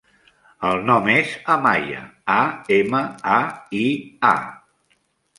El nom és Amaia: a, ema, a, i, a.